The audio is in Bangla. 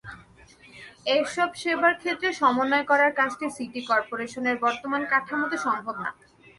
এসব সেবার ক্ষেত্রে সমন্বয় করার কাজটি সিটি করপোরেশনের বর্তমান কাঠামোতে সম্ভব নয়।